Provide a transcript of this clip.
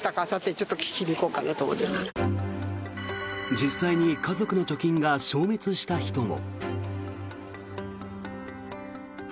実際に家族の貯金が消滅した人も。